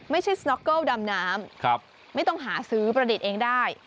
สน็อกเกิลดำน้ำไม่ต้องหาซื้อประดิษฐ์เองได้